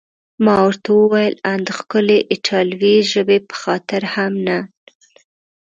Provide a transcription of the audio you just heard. ما ورته وویل: ان د ښکلې ایټالوي ژبې په خاطر هم نه؟